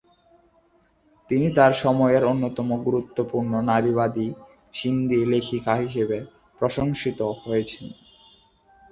তিনি তাঁর সময়ের অন্যতম গুরুত্বপূর্ণ নারীবাদী সিন্ধি লেখিকা হিসাবে প্রশংসিত হয়েছেন।